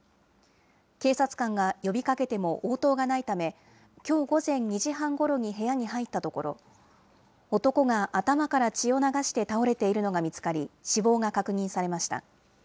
警察官が呼びかけても応答がないため、きょう午前２時半ごろに部屋に入ったところ、男が頭から血を流して倒れているのが見つかり、死亡が確認されました。